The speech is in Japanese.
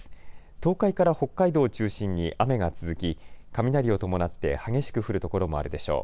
東海から北海道を中心に雨が続き雷を伴って激しく降る所もあるでしょう。